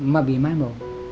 mà bị mái mổ